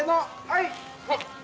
はい！